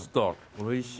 おいしい。